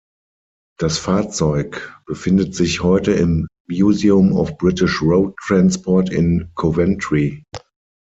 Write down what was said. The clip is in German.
Das Fahrzeug befindet sich heute im Museum of British Road Transport in Coventry.